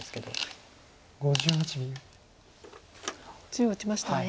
中央打ちましたね。